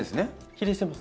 比例してます。